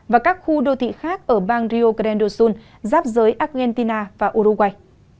và các khu đô thị khác ở bang rio grande do sul giáp giới argentina và uruguay